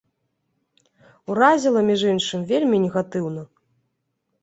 Уразіла, між іншым, вельмі негатыўна.